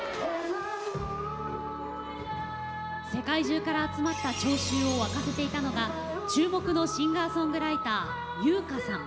世界中から集まった聴衆を沸かせていたのが注目のシンガーソングライター由薫さん。